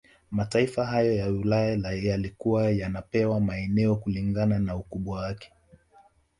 Mataifa hayo ya Ulaya yalikuwa yanapewa maeneo kilingana na ukubwamwake